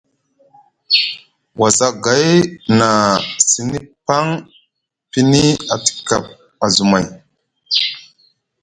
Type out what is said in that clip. Wazagay na sini paŋ pini a tika azumay.